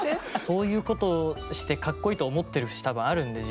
そういうことしてかっこいいと思ってる節多分あるんで。